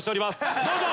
どうぞ。